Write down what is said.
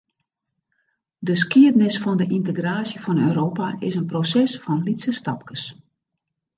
De skiednis fan de yntegraasje fan Europa is in proses fan lytse stapkes.